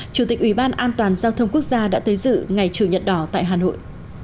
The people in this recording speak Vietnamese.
chủ tịch ủy ban an toàn giao thông quốc gia đã tới dự ngày chủ nhật đỏ tại hà nội